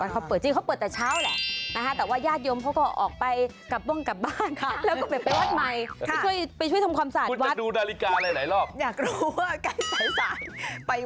เขาเปิดจริงเขาเปิดแต่เช้าแหละ